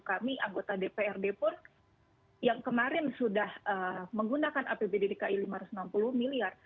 kami anggota dprd pun yang kemarin sudah menggunakan apbd dki lima ratus enam puluh miliar